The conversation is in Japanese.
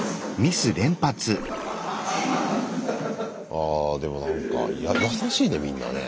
ああでも優しいねみんなね。